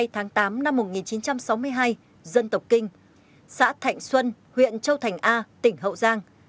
hai mươi tháng tám năm một nghìn chín trăm sáu mươi hai dân tộc kinh xã thạnh xuân huyện châu thành a tỉnh hậu giang